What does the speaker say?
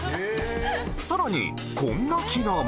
さらにこんな機能も！